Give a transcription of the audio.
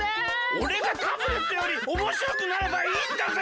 おれがタブレットよりおもしろくなればいいんだぜ！